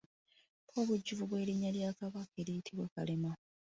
Mpa obujjuvu bw’erinnya lya Kabaka eriyitibwa Kalema